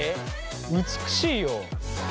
美しいよ。